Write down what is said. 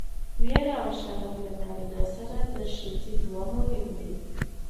ويره او شرم له نارينه سره د ښځې دوه مهم